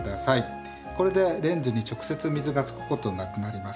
これでレンズに直接水がつくことがなくなります。